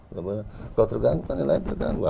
kalau terganggu kan lain terganggu